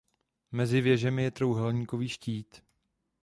Mezi věžemi je trojúhelníkový štít.